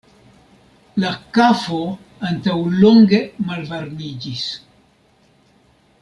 La kafo antaŭlonge malvarmiĝis.